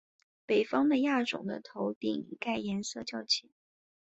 北方的亚种的头顶盖颜色较浅。